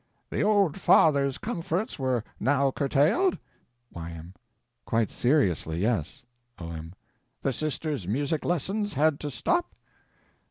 The old father's comforts were now curtailed? Y.M. Quite seriously. Yes. O.M. The sister's music lessens had to stop?